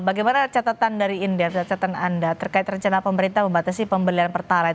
bagaimana catatan dari indef catatan anda terkait rencana pemerintah membatasi pembelian pertalite